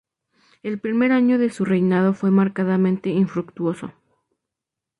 El primer año de su reinado fue marcadamente infructuoso.